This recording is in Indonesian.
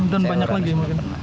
dan banyak lagi mungkin